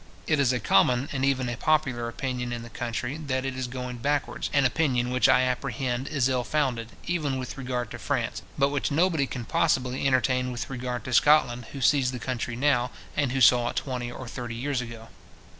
It is a common and even a popular opinion in the country, that it is going backwards; an opinion which I apprehend, is ill founded, even with regard to France, but which nobody can possibly entertain with regard to Scotland, who sees the country now, and who saw it twenty or thirty years ago.